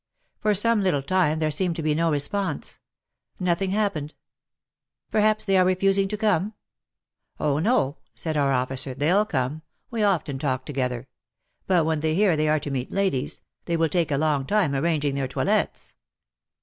For some little time there seemed to be no response. Nothing happened. " Perhaps they are refusing to come?" "Oh no," said our officer, " they'll come ; we often talk together. But when they hear they are to meet ladies, they will take a long time arranging their toilettes."